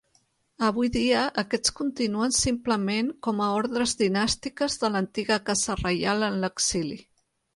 Avui dia aquests continuen simplement com a ordres dinàstiques de l'antiga casa reial en l'exili.